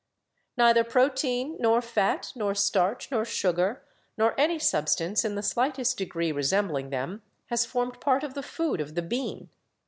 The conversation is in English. Neither protein, nor fat, nor starch, nor sugar, nor any substance in the slightest degree resembling them has formed part of the food of the bean.